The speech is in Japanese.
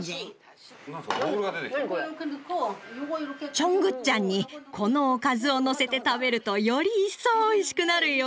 チョングッチャンにこのおかずをのせて食べるとより一層おいしくなるよ。